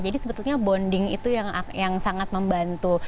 jadi sebetulnya bonding itu yang sangat membantu